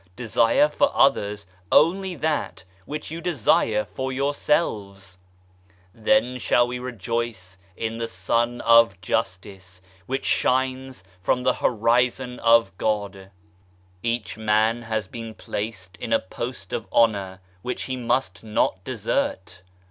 Desire for others only that which you desire for yourselves. Then shall we rejoice in the Sun of Justice, which shines from the Horizoin of God. EQUALITY OF SEX 149 Each man has been placed in a post of honour, which he must not desert.